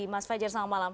mas fajar selamat malam